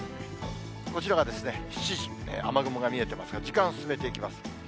こちらがですね、７時、雨雲が見えていますが、時間を進めていきます。